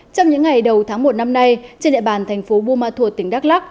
trong những ngày đầu tháng một năm nay trên đại bàn thành phố buma thuột tỉnh đắk lắc